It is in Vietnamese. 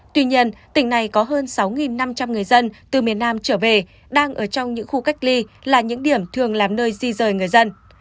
tuy nhiên tỉnh này có hơn sáu năm trăm linh người dân từ miền nam trở về đang ở trong những khu cách ly là những điểm thường làm nơi di rời người dân